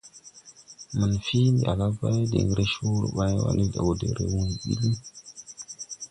Manfii: « Ndi ala bay diŋ re coore ɓay wa, ndi le go de re wuy ɓi liŋ. ».